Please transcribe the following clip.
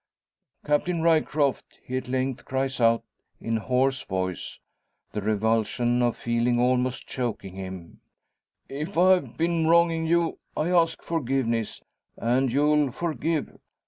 "Captain Ryecroft," he at length cries out in hoarse voice, the revulsion of feeling almost choking him, "if I've been wronging you I ask forgiveness; and you'll forgive.